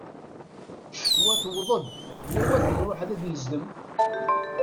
Ccetwa tewweḍ-d, yaw ad nruḥ ad d-nezdem!